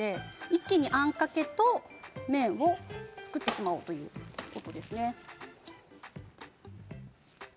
一気にあんかけと麺を作ってしまおうということですね。